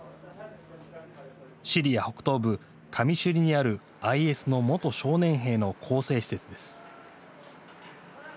シリア北東部カミシュリにあるＩＳの元少年兵の更生施設です。